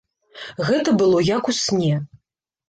Гэта было як у сне.